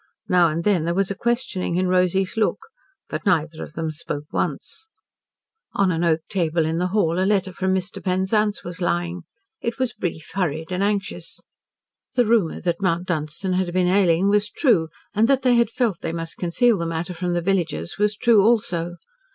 Now and then there was a questioning in Rosy's look. But neither of them spoke once. On an oak table in the hall a letter from Mr. Penzance was lying. It was brief, hurried, and anxious. The rumour that Mount Dunstan had been ailing was true, and that they had felt they must conceal the matter from the villagers was true also.